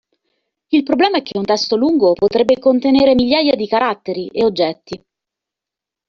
Il problema è che un testo lungo potrebbe contenere migliaia di caratteri, e oggetti.